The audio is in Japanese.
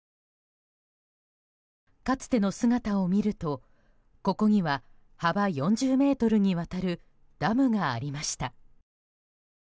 かつての姿を見るとここには、幅４０ｍにわたるダムがありました。